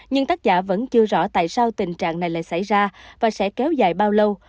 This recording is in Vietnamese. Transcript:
nhưng tác giả vẫn chưa rõ tại sao tình trạng này lại xảy ra và sẽ kéo dài bao lâu